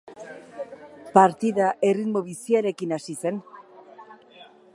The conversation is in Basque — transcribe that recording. Partida erritmo biziarekin hasi zen.